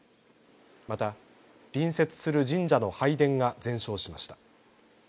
また隣接する神社の拝殿が全焼しました。